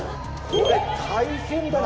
これ大変だな。